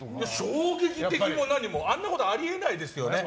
衝撃的も何もあんなことあり得ないですよね。